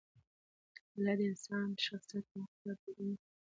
مطالعه د انسان شخصیت ته وقار او په ځان باور ورکوي.